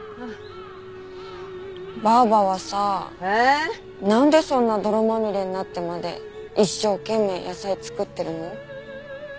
ばあばはさなんでそんな泥まみれになってまで一生懸命野菜作ってるの？